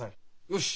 よし！